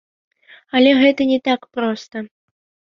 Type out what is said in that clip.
Але гэта не так проста.